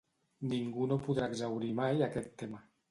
Ningú no podrà exhaurir mai aquest tema.